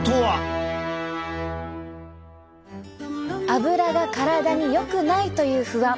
アブラが体によくないという不安。